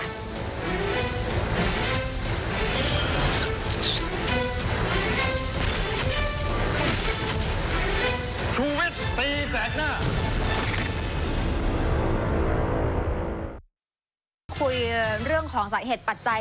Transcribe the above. เราจะคุยเรื่องของสหภรรย์ปัจจัย